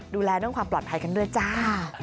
ดูแลเรื่องความปลอดภัยกันด้วยจ้า